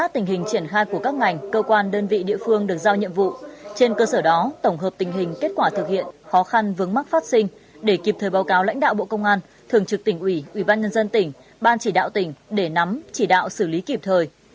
tình hình triển khai của các ngành cơ quan đơn vị địa phương được giao nhiệm vụ trên cơ sở đó tổng hợp tình hình kết quả thực hiện khó khăn vướng mắc phát sinh để kịp thời báo cáo lãnh đạo bộ công an thường trực tỉnh ủy ủy ban nhân dân tỉnh ban chỉ đạo tỉnh để nắm chỉ đạo xử lý kịp thời